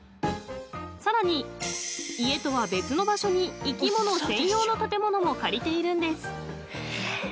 ［さらに家とは別の場所に生き物専用の建物も借りているんです］